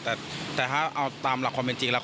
แต่ถ้าเอาตามหลักความเป็นจริงแล้ว